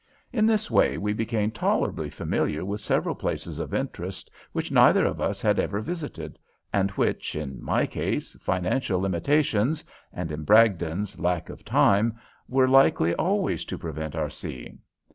In this way we became tolerably familiar with several places of interest which neither of us had ever visited, and which, in my case, financial limitations, and in Bragdon's, lack of time, were likely always to prevent our seeing.